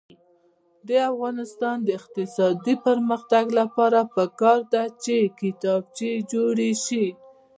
د افغانستان د اقتصادي پرمختګ لپاره پکار ده چې کتابچې جوړې شي.